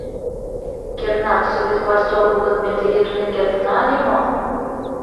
Кернак, Совет власть огыл гын, ме тыге тунем кертына ыле мо?